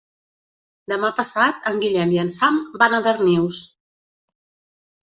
Demà passat en Guillem i en Sam van a Darnius.